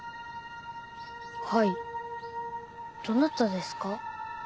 はいどなたですか？